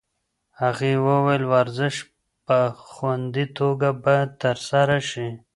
هغې وویل ورزش په خوندي توګه باید ترسره شي.